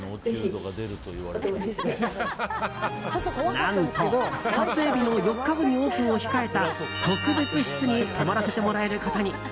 何と撮影日の４日後にオープンを控えた特別室に泊まらせてもらえることに。